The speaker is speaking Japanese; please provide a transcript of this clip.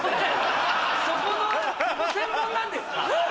そこの専門なんですか？